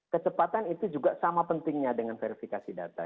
kecepatan itu juga sama pentingnya dengan verifikasi data